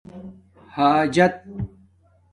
حاجت